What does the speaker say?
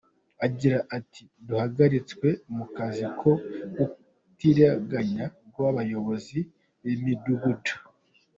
Agira ati “Duhagaritswe mu kazi ku butiriganya bw’abayobozi b’imidugudu.